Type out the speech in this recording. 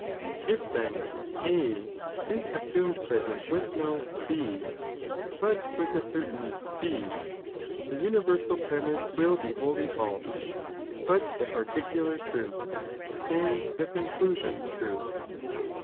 If then A is auamed present with no B, but with a certain C, i. Major negi the nniversal premise will be wholly false, but the '"'• particular true, and the conclusion true.